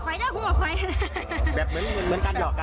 ผมอภัยได้ผมอภัยแบบเหมือนการหยอกกันค่ะแบบการหยอกให้ร่วมมา